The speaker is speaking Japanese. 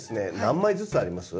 何枚ずつあります？